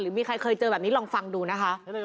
มีใครเคยเจอแบบนี้ลองฟังดูนะคะ